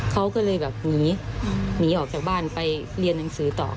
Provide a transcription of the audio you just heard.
เขาก็เลยแบบหนีหนีออกจากบ้านไปเรียนหนังสือต่อ